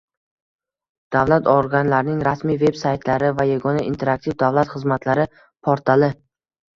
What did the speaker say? Davlat organlarining rasmiy veb-saytlari va Yagona interaktiv davlat xizmatlari portali